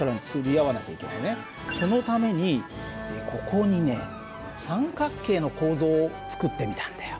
そのためにここにね三角形の構造を作ってみたんだよ。